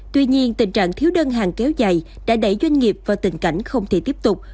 tuy nhiên tình trạng thiếu đơn hàng kéo dài đã đẩy doanh nghiệp vào tình cảnh không thể tiếp tục